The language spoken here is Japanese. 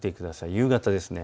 夕方です。